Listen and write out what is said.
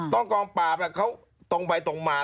ต้องกองปราบเพราะเขาตรงไปตรงมา